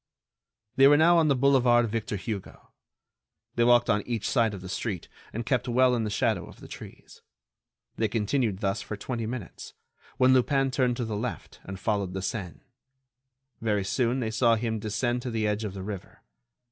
They were now on the Boulevard Victor Hugo. They walked one on each side of the street, and kept well in the shadow of the trees. They continued thus for twenty minutes, when Lupin turned to the left and followed the Seine. Very soon they saw him descend to the edge of the river.